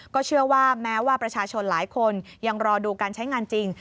เชื่อว่าแม้ว่าประชาชนหลายคนยังรอดูการใช้งานจริง